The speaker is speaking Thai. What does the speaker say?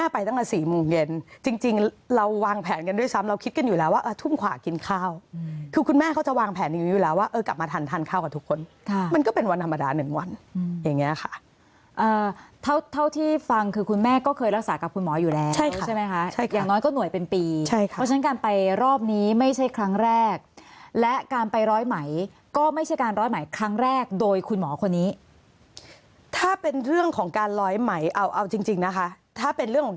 ไปตั้งแต่สี่โมงเย็นจริงเราวางแผนกันด้วยซ้ำเราคิดกันอยู่แล้วว่าทุ่มขวากินข้าวคือคุณแม่เขาจะวางแผนอยู่แล้วว่ากลับมาทันทันข้าวกับทุกคนมันก็เป็นวันธรรมดาหนึ่งวันอย่างนี้ค่ะเท่าที่ฟังคือคุณแม่ก็เคยรักษากับคุณหมออยู่แล้วใช่ไหมค่ะอย่างน้อยก็หน่วยเป็นปีเพราะฉะนั้นการไปรอบน